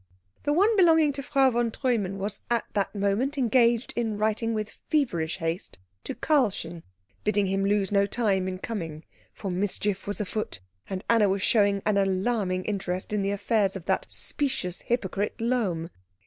The one belonging to Frau von Treumann was at that moment engaged in writing with feverish haste to Karlchen, bidding him lose no time in coming, for mischief was afoot, and Anna was showing an alarming interest in the affairs of that specious hypocrite Lohm.